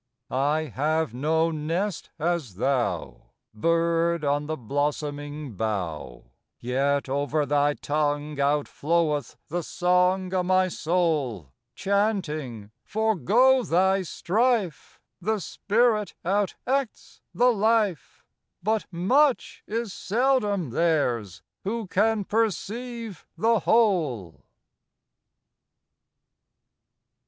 I have no nest as thou, Bird on the blossoming bough, Yet over thy tongue outfloweth the song o' my soul, Chanting, "Forego thy strife, The spirit out acts the life, But much is seldom theirs who can perceive the whole."